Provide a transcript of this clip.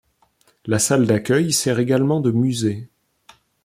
La salle d'accueil sert également de musée.